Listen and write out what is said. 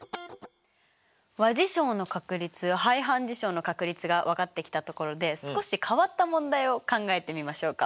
和事象の確率排反事象の確率が分かってきたところで少し変わった問題を考えてみましょうか。